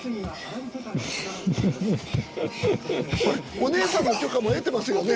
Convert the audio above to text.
お姉さんの許可も得てますよね？